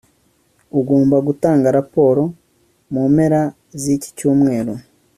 ugomba gutanga raporo mu mpera ziki cyumweru